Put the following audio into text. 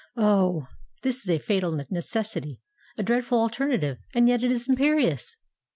Oh! this is a fatal necessity—a dreadful alternative; and yet it is imperious!"